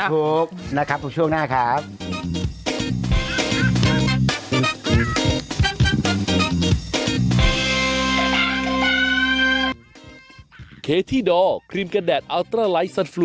ถูกนะครับทุกช่วงหน้าครับ